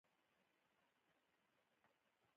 سره ګولۍ اکسیجن لېږدوي.